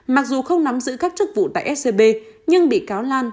mặc dù không nắm giữ các chức vụ tại scb nhưng bị cáo lan